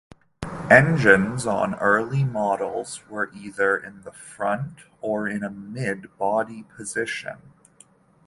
Engines on early models were either in the front, or in a mid-body position.